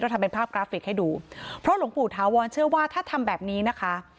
ทำเป็นภาพกราฟิกให้ดูเพราะหลวงปู่ถาวรเชื่อว่าถ้าทำแบบนี้นะคะ